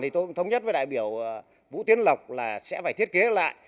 tôi cũng thống nhất với đại biểu vũ tiến lộc là sẽ phải thiết kế lại